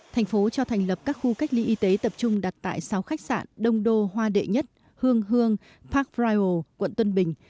thành phố cho thành lập các khu cách ly y tế tập trung đặt tại sáu khách sạn đông đô hoa đệ nhất hương hương park friel quận tân bình